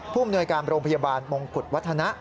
ผู้อำนวยการโรงพยาบาลมงขุดวัฒนะ